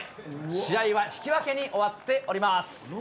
試合は引き分けに終わっております。